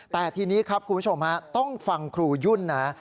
แต่ทีนี้ครับคุณผู้ชมฮะต้องฟังครูยุ่นนะ